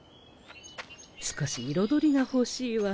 少し彩りが欲しいわね。